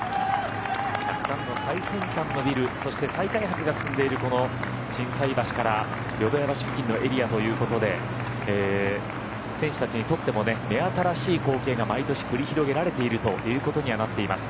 たくさんの最先端のビルそして再開発が進んでいる心斎橋から淀屋橋付近のエリアということで選手たちにとっても目新しい光景が毎年繰り広げられているということにはなっています。